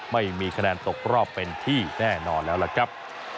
ไม่มีคะแนนตกรอบเป็นที่แน่นอนแล้วล่ะครับ